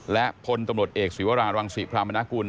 และผลตำรวจเอกสวิวราณวังศรีพรามณกุล